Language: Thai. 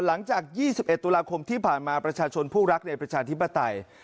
หลังจาก๒๑ตุลาคมที่ผ่านมาประชาชนผู้รักในประชาธิปไตย